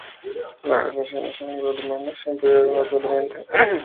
Las relaciones anglo-alemanas empeoraron notablemente.